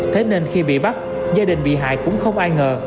thế nên khi bị bắt gia đình bị hại cũng không ai ngờ